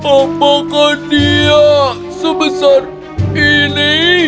apa dia sebesar ini